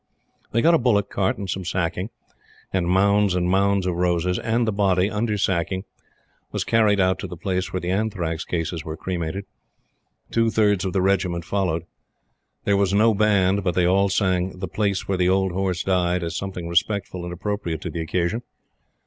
They got a bullock cart and some sacking, and mounds and mounds of roses, and the body, under sacking, was carried out to the place where the anthrax cases were cremated; two thirds of the Regiment followed. There was no Band, but they all sang "The Place where the old Horse died" as something respectful and appropriate to the occasion.